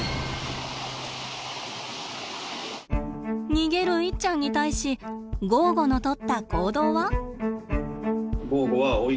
逃げるイッちゃんに対しゴーゴのとった行動は？